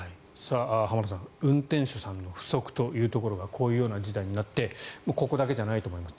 浜田さん運転手さんの不足というところがこういうような事態になってここだけじゃないと思います